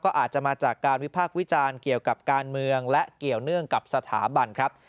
อาจจะมาจากการวิพากษ์วิจารณ์เกี่ยวกับการเมืองและเกี่ยวเนื่องกับสถาบันครับ